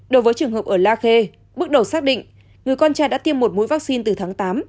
đối với trường hợp ở la khê bước đầu xác định người con trai đã tiêm một mũi vaccine từ tháng tám